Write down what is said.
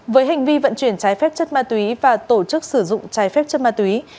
với hành vi vận chuyển trái phép chất ma túy và tổ chức sử dụng trái phép chất ma túy